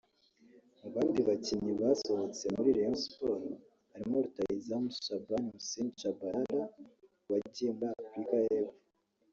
Mu bandi bakinnyi basohotse muri Rayon Sports harimo rutahizamu Shaban Hussein Tchabalala wagiye muri Afurika y’Epfo